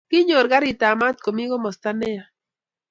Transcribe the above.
kinyor karit ab maat komii komasta ne ya